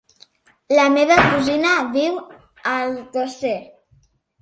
La meva cosina viu a Alcosser.